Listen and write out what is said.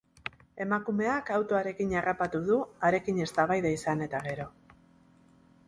Emakumeak autoarekin harrapatu du, harekin eztabaida izan eta gero.